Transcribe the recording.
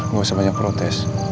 nggak usah banyak protes